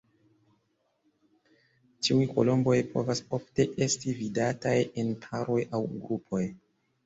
Tiuj kolomboj povas ofte esti vidataj en paroj aŭ grupoj.